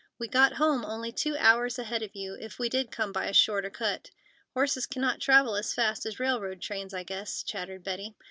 We got home only two hours ahead of you, if we did come by a shorter cut. Horses cannot travel as fast as railroad trains, I guess," chattered Betty.